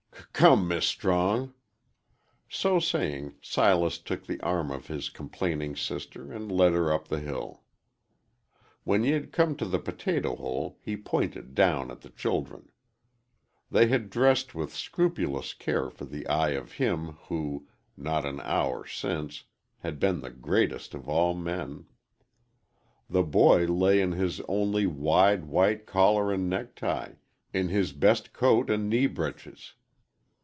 "C come, Mis' Strong." So saying, Silas took the arm of his complaining sister and led her up the hill. When he had come to the potato hole he pointed down at the children. They had dressed with scrupulous care for the eye of him who, not an hour since, had been the greatest of all men. The boy lay in his only wide, white collar and necktie, in his best coat and knee breeches.